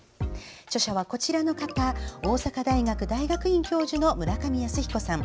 著者はこちらの方大阪大学大学院教授の村上靖彦さん。